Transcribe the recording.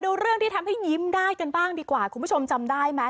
เรื่องที่ทำให้ยิ้มได้กันบ้างดีกว่าคุณผู้ชมจำได้ไหม